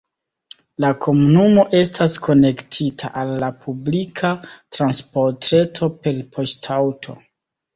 La komunumo estas konektita al la publika transportreto per poŝtaŭto.